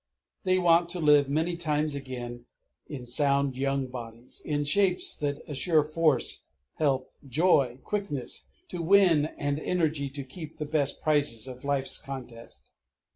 They want to live many times again in sound young bodies, in shapes that assure force, health, joy, quickness to win and energy to keep the best prizes of life's contest.